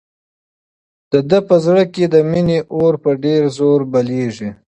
د ده په زړه کې د مینې اور په ډېر زور بلېږي.